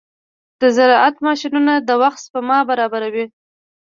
د زراعت ماشينونه د وخت سپما برابروي.